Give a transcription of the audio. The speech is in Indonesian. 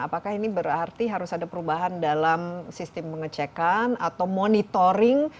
apakah ini berarti harus ada perubahan dalam sistem pengecekan atau monitoring